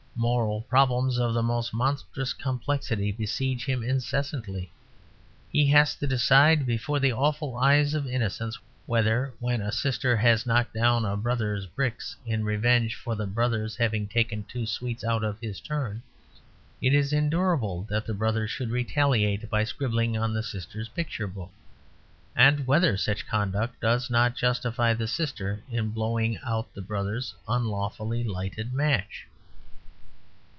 Moral problems of the most monstrous complexity besiege him incessantly. He has to decide before the awful eyes of innocence, whether, when a sister has knocked down a brother's bricks, in revenge for the brother having taken two sweets out of his turn, it is endurable that the brother should retaliate by scribbling on the sister's picture book, and whether such conduct does not justify the sister in blowing out the brother's unlawfully lighted match.